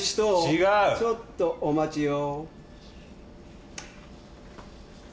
ちょっとお待ちを。